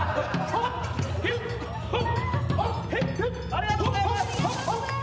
ありがとうございます。